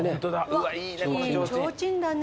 いいちょうちんだね